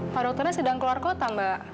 pak dokternya sedang keluar kota mbak